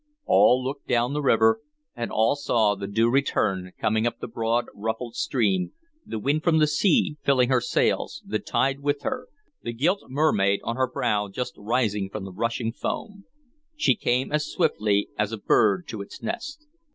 All looked down the river, and all saw the Due Return coming up the broad, ruffled stream, the wind from the sea filling her sails, the tide with her, the gilt mermaid on her prow just rising from the rushing foam. She came as swiftly as a bird to its nest.